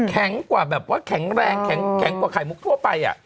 แข็งกว่าแบบว่าแข็งแรงแข็งกว่าไข่มุกทั่วไป